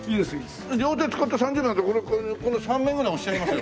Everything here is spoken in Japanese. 両手使って３０秒なんてこの３面ぐらい押しちゃいますよ。